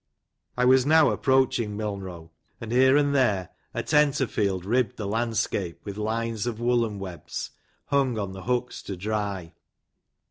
I was now approaching Milnrow, and here and there a tenter field ribbed the landscape with lines of woollen webs, hung upon the hooks to dry.